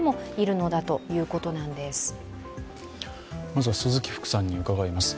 まずは鈴木福さんに伺います。